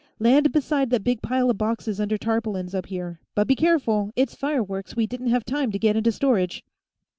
Land beside that big pile of boxes under tarpaulins up here, but be careful; it's fireworks we didn't have time to get into storage."